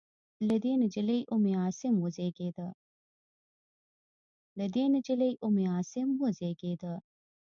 له دې نجلۍ ام عاصم وزېږېده.